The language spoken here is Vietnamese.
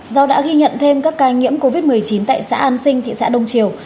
do đã ghi nhận thêm các ca nhiễm covid một mươi chín tại xã an sinh thị xã đông triều